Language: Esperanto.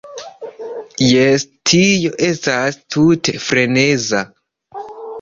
Jes, tio estas tute freneza.